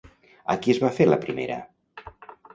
A qui es va fer la primera?